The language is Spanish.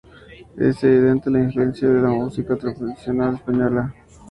Es evidente la influencia de la música tradicional española en las sonatas de Scarlatti.